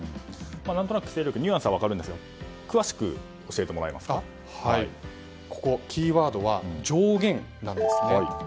何となくニュアンスは分かるんですがキーワードは上限なんですね。